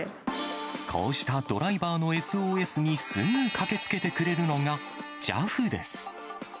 こうしたドライバーのＳＯＳにすぐに駆けつけてくれるのがＪＡＦです。